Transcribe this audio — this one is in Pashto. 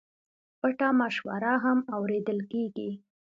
پټه مشوره هم اورېدل کېږي.